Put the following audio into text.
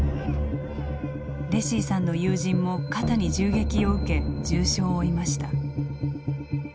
レシィさんの友人も肩に銃撃を受け重傷を負いました。